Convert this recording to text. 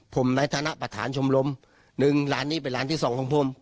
ผมในฐานะประธานชมรมหนึ่งร้านนี้เป็นร้านที่สองของผม